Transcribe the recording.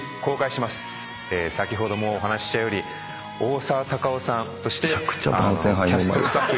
先ほどもお話ししたように大沢たかおさんそしてキャスト・スタッフ一同